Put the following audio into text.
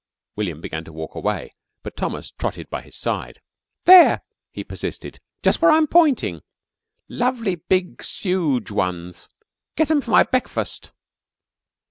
William began to walk away, but Thomas trotted by his side. "There!" he persisted. "Jus' where I'm pointing. Lovely great big suge ones. Get 'em for my brekfust."